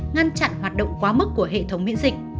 ngăn chặn hoạt động quá mức của hệ thống miễn dịch